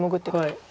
はい。